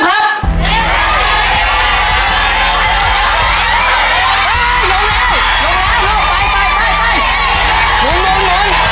ลงแล้วไป